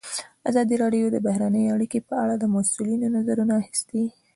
ازادي راډیو د بهرنۍ اړیکې په اړه د مسؤلینو نظرونه اخیستي.